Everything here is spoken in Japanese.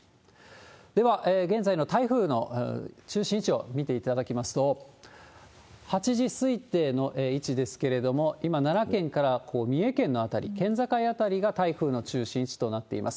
では、現在の台風の中心位置を見ていただきますと、８時推定の位置ですけれども、今、奈良県から三重県の辺り、県境辺りが台風の中心位置となっています。